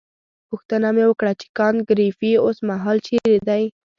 پوښتنه مې وکړه چې کانت ګریفي اوسمهال چیرې دی.